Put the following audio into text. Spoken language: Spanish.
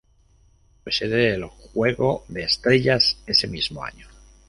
Fue sede del Juego de Estrellas ese mismo año.